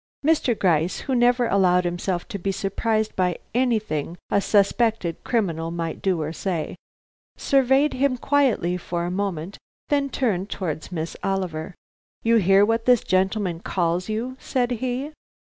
Mr. Gryce, who never allowed himself to be surprised by anything a suspected criminal might do or say, surveyed him quietly for a moment, then turned towards Miss Oliver. "You hear what this gentleman calls you?" said he.